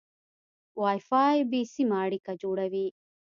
وای فای بې سیمه اړیکه جوړوي.